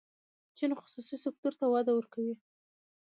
چین خصوصي سکتور ته وده ورکوي.